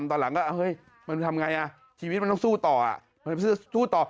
ตอนหลังก็อ่ะเฮ้ยมันต้องทำไงชีวิตมันต้องสู้ต่อ